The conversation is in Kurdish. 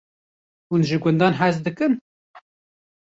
Hûn ji gundan hez dikin?